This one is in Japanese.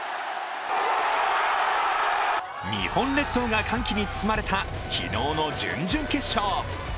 日本列島が歓喜に包まれた昨日の準々決勝。